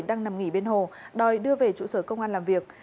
đang nằm nghỉ bên hồ đòi đưa về trụ sở công an làm việc